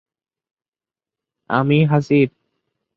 ভারসাম্যের জন্য এর উপরের দিক "হর্ন" আকৃতির।